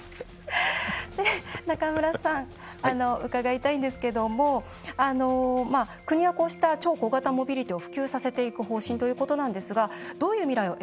で中村さん伺いたいんですけどもまあ国はこうした超小型モビリティを普及させていく方針ということなんですがどういう未来を描けそうですか？